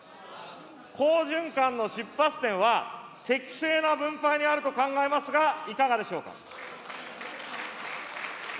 好循環の出発点は、適正な分配にあると考えますが、いかがでしょうか。